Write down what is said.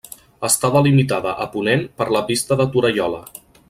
Està delimitada a ponent per la Pista de Torallola.